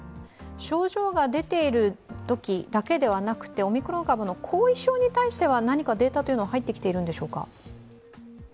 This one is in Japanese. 症状が出ているときだけではなくてオミクロン株の後遺症に対しては何かデータは入ってきているんでしょうか？